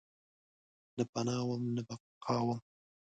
نه پناه وم ، نه بقاوم